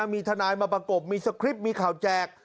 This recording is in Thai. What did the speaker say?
มีทนายมาประกบมีสคริปต์มีข่าวแจก